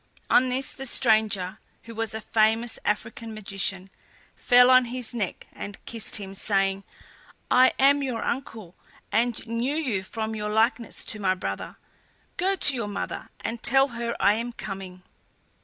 On this the stranger, who was a famous African magician, fell on his neck and kissed him saying: "I am your uncle, and knew you from your likeness to my brother. Go to your mother and tell her I am coming."